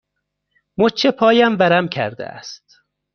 مچ پایم ورم کرده است.